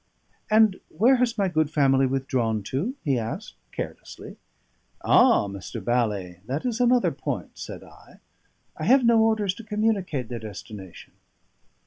"And where has my good family withdrawn to?" he asked carelessly. "Ah! Mr. Bally, that is another point," said I. "I have no orders to communicate their destination."